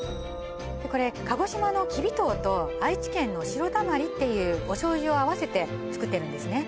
これ鹿児島のキビ糖と愛知県の白たまりっていうお醤油を合わせて作ってるんです